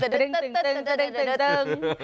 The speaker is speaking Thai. แม่